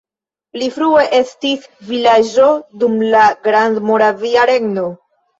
Pli frue estis vilaĝo dum la Grandmoravia Regno.